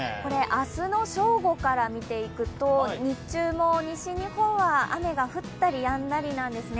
明日の正午から見ていくと日中も西日本は雨が降ったりやんだりなんですね。